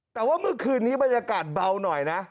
แต่ว่าเมื่อคืนนี้บรรยากาศเบาหน่อยนะ